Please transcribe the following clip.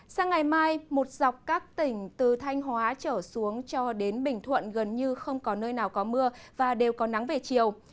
sang ngày mai một dọc các tỉnh từ thanh hóa trở xuống cho đến bình thuận gần như không có nơi nào có mưa và đều có nắng về chiều